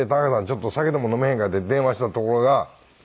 ちょっと酒でも飲めへんか？」って電話したところが。